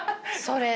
それ。